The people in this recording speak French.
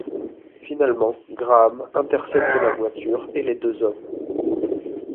Finalement, Graham intercepte la voiture et les deux hommes.